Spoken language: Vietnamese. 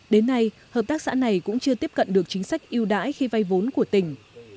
đến nay hợp tác xã này cũng chưa tiếp cận được chính sách yêu đãi khi vay vốn của tỉnh